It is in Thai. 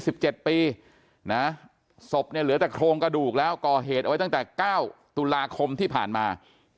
ศพเนี่ยเหลือแต่โครงกระดูกแล้วก่อเหตุไว้ตั้งแต่๙ตุลาคมที่ผ่านมา